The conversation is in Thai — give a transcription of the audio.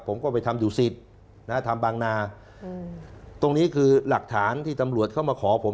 ผมก็ไปทำดูสิตนะทำบางนาอืมตรงนี้คือหลักฐานที่ตำรวจเข้ามาขอผม